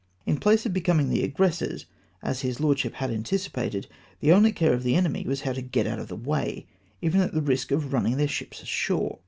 In place of becoming the aggressors, as his Lordslup had anticipated, the only care of the enemy was how to get out of the way, even at the risk of running their ships ashore.